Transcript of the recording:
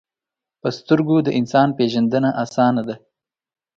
په سترګو د انسان پیژندنه آسانه ده